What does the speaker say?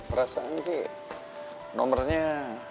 perasaan sih nomernya